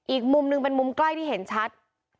อีกมุมหนึ่งเป็นมุมใกล้ที่เห็นชัด